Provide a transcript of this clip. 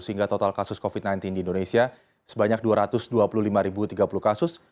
sehingga total kasus covid sembilan belas di indonesia sebanyak dua ratus dua puluh lima tiga puluh kasus